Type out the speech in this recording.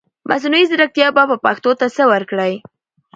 مصنوعي ځرکتيا به پښتو ته سه ورکړٸ